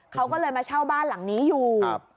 เขาก็เลยมาเช่าบ้านหลังนี้อยู่